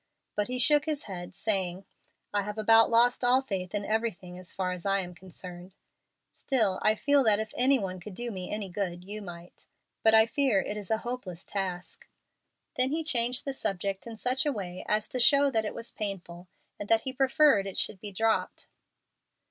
But he shook his head, saying, "I have about lost all faith in everything as far as I am concerned. Still I feel that if any one could do me any good, you might, but I fear it is a hopeless task." Then he changed the subject in such a way as to show that it was painful, and that he preferred it should be dropped.